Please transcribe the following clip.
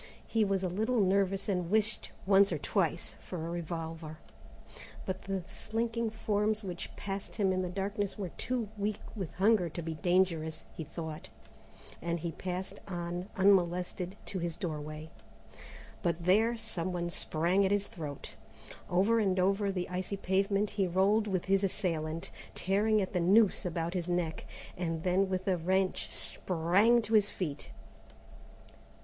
He was a little nervous and wished once or twice for a revolver, but the slinking forms which passed him in the darkness were too weak with hunger to be dangerous, he thought, and he passed on unmolested to his doorway. But there somebody sprang at his throat. Over and over the icy pavement he rolled with his assailant, tearing at the noose about his neck, and then with a wrench sprang to his feet.